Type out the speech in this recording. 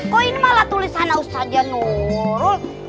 kok ini malah tulis sana ustazah nurul